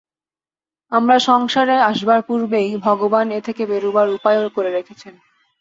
আমরা সংসারে আসবার পূর্বেই ভগবান এ থেকে বেরুবার উপায়ও করে রেখেছেন।